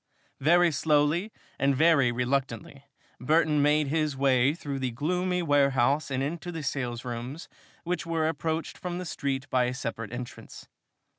Very slowly and very reluctantly Burton made his way through the gloomy warehouse and into the salesrooms, which were approached from the street by a separate entrance.